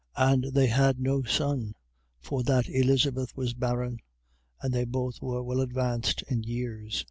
1:7. And they had no son, for that Elizabeth was barren: and they both were well advanced in years.